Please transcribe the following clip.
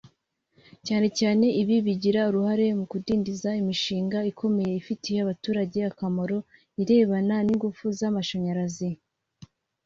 cyane cyane ibi bigira uruhare mu kudindiza imishinga ikomeye ifitiye abaturage akamaro irebana n’ingufu z’amashanyarazi